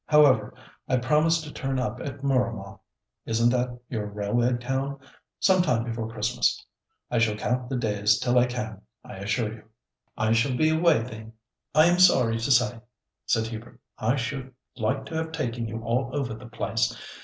However, I promise to turn up at Mooramah—isn't that your railway town?—some time before Christmas. I shall count the days till I can, I assure you." "I shall be away then, I am sorry to say," said Hubert. "I should like to have taken you all over the old place.